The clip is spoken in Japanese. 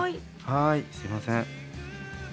はいすいません。